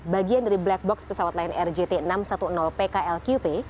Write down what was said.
bagian dari black box pesawat lain rgt enam ratus sepuluh pklqp